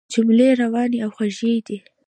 جملې روانې او خوږې دي.